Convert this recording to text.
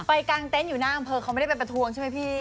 กลางเต็นต์อยู่หน้าอำเภอเขาไม่ได้ไปประท้วงใช่ไหมพี่